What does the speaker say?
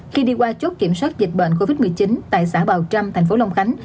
khi đi qua chốt kiểm soát dịch bệnh covid một mươi chín tại xã bào trăm thành phố long khánh